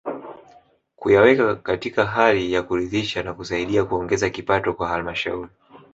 Kuyaweka katika hali ya kuridhisha na kusaidia kuongeza kipato kwa halmashauri